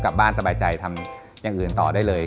กลับบ้านสบายใจทำอย่างอื่นต่อได้เลย